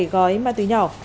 một mươi bảy gói ma túy nhỏ